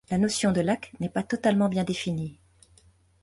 La notion de lac n'est pas totalement bien définie.